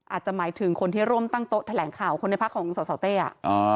อาจจะหมายถึงคนที่ร่วมตั้งโต๊ะแถลงข่าวคนในพักของสสเต้อ่ะ